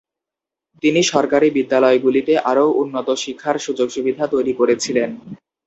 তিনি সরকারি বিদ্যালয়গুলিতে আরও উন্নত শিক্ষার সুযোগসুবিধা তৈরি করেছিলেন।